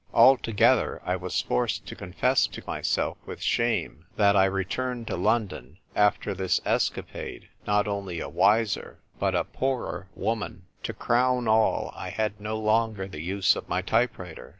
Altogether, I was forced to confess to myself with shame that I returned to London after 86 THE TVrE WRITER GIRL. this escapade not only a wiser, but a poorer woman. To crown all, I had no longer the use of my type writer.